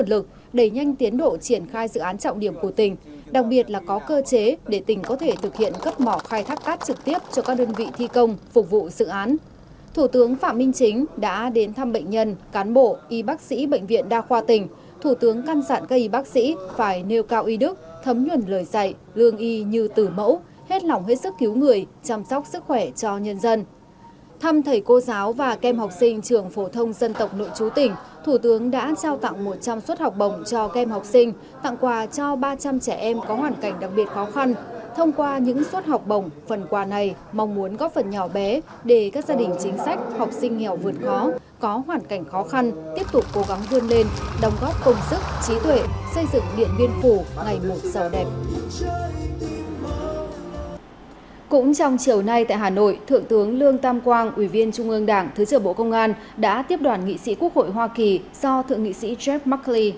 cũng trong chiều nay tại hà nội thượng tướng lương tam quang ủy viên trung ương đảng thứ trưởng bộ công an đã tiếp đoàn nghị sĩ quốc hội hoa kỳ do thượng nghị sĩ jeff mackey làm trưởng đoàn đang có chuyến thăm làm việc tại việt nam